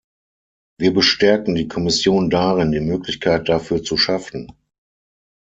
Wir bestärken die Kommission darin, die Möglichkeit dafür zu schaffen.